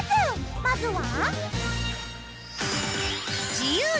まずは。